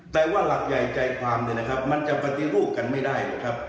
แต่ว่าหลักใหญ่ใจความมันจะปฏิรูปกันไม่ได้